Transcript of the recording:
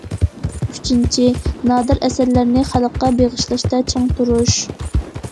ئۈچىنچى، نادىر ئەسەرلەرنى خەلققە بېغىشلاشتا چىڭ تۇرۇش.